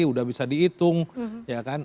udah bisa dihitung ya kan